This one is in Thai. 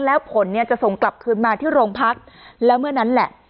แล้วผลเนี่ยจะส่งกลับคืนมาที่โรงพักแล้วเมื่อนั้นแหละ